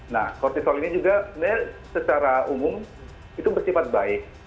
nah kortisol ini juga sebenarnya secara umum itu bersifat baik